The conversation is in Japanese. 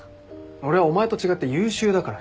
俺はお前と違って優秀だから。